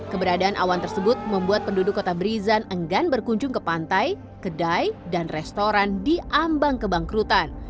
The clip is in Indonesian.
keberadaan awan tersebut membuat penduduk kota brisan enggan berkunjung ke pantai kedai dan restoran diambang kebangkrutan